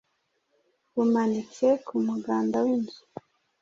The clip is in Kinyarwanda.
bumanitse ku muganda w’inzu